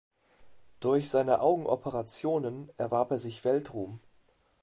Durch seine Augenoperationen erwarb er sich Weltruhm.